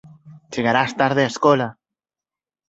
chegarás tarde á escola.